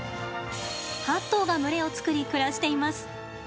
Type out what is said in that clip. ８頭が群れを作り暮らしています。